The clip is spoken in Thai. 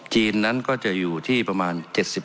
จีนนั้นก็จะอยู่ที่ประมาณ๗๐